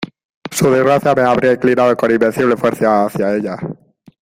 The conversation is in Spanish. Su desgracia me habría inclinado con invencible fuerza hacia ella.